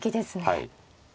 はい。